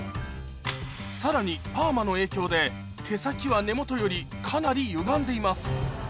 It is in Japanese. さらにパーマの影響で毛先は根本よりかなりゆがんでいます